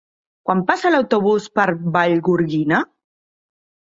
Quan passa l'autobús per Vallgorguina?